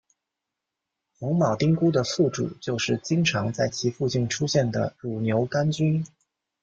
红铆钉菇的宿主就是经常在其附近出现的乳牛肝菌。